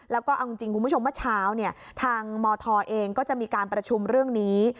แล้วก็เอาจริงคุณผู้ชมเมื่อเช้าทางมธเองก็จะมีการประชุมเรื่องนี้